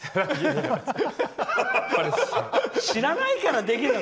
知らないからできるの。